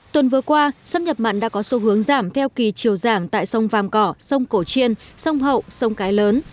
tuần vừa qua xâm nhập mặn đã có xu hướng giảm theo kỳ chiều giảm tại sông vàm cỏ sông cổ chiên sông hậu sông cái lớn